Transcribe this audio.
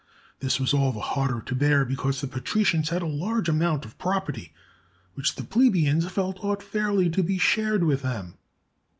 This was all the harder to bear because the patri cians had a large amount of property which the plebe ians felt ought fairly to be shared with them.